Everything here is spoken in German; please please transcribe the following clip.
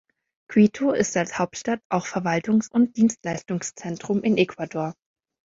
Quito ist als Hauptstadt auch Verwaltungs- und Dienstleistungszentrum in Ecuador.